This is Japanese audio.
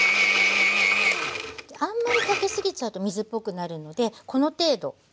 あんまりかけすぎちゃうと水っぽくなるのでこの程度でいいです。